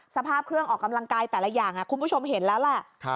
สภาพเครื่องออกกำลังกายแต่ละอย่างคุณผู้ชมเห็นแล้วแหละ